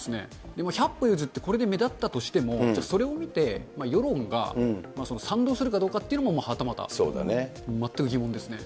でも百歩譲ってこれで目立ったとしても、これを見て世論が賛同するかどうかというのも、はたまた、全く疑問ですね。